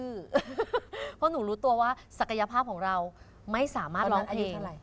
เพราะหนูรู้ตัวว่าศักยภาพของเราไม่สามารถร้องเพลง